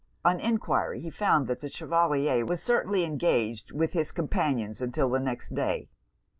On enquiry, he found that the Chevalier was certainly engaged with his companions 'till the next day.